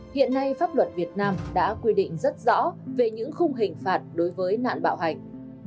hiện nay pháp luật việt nam đã quy định rất rõ về những khung hình phạt đối với nạn bạo hành